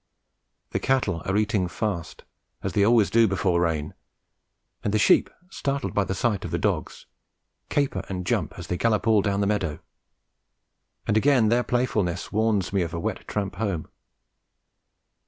The cattle are eating fast, as they always do before rain; and the sheep, startled by the sight of the dogs, caper and jump as they gallop all down the meadow; and again their playfulness warns me of a wet tramp home.